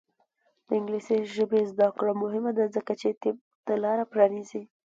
د انګلیسي ژبې زده کړه مهمه ده ځکه چې طب ته لاره پرانیزي.